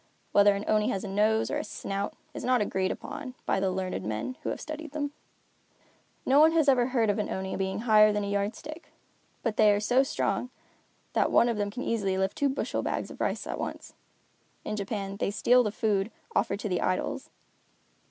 Whether an Oni has a nose, or a snout, is not agreed upon by the learned men who have studied them. No one ever heard of an Oni being higher than a yardstick, but they are so strong that one of them can easily lift two bushel bags of rice at once. In Japan, they steal the food offered to the idols.